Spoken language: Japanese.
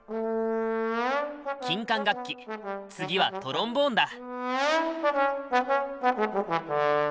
金管楽器次はトロンボーンだ。